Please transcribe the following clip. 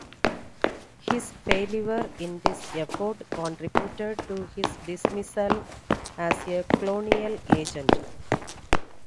His failure in this effort contributed to his dismissal as a colonial agent.